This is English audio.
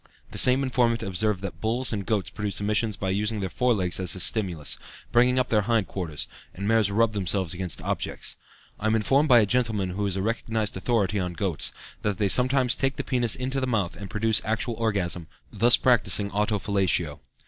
The same informant observed that bulls and goats produce emissions by using their forelegs as a stimulus, bringing up their hind quarters, and mares rub themselves against objects. I am informed by a gentleman who is a recognized authority on goats, that they sometimes take the penis into the mouth and produce actual orgasm, thus practicing auto fellatio.